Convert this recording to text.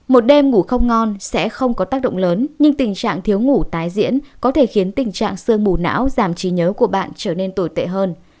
một đêm ngủ không ngon sẽ không có tác động lớn nhưng tình trạng thiếu ngủ tái diễn có thể khiến tình trạng sương mù não giảm trí nhớ của bạn trở nên tồi tệ hơn